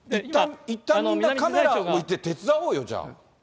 いったんみんなカメラを置いて手伝おうよ、じゃあ。